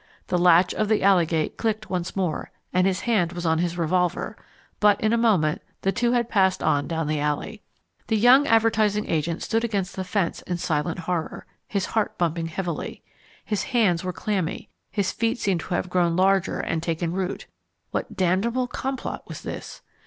The latch of the alley gate clicked once more, and his hand was on his revolver; but in a moment the two had passed on down the alley. The young advertising agent stood against the fence in silent horror, his heart bumping heavily. His hands were clammy, his feet seemed to have grown larger and taken root. What damnable complot was this?